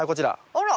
あら。